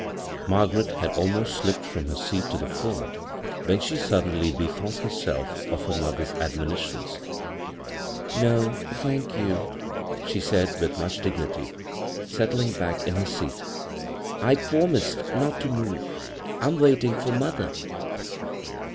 Margaret had almost slipped from her seat to the fioor when she suddenly bethought herself of her mother's admonitions. " No, thank you," she said with much dig> nity, settling back in her seat " I pwomised not to move. I'm waiting for mother."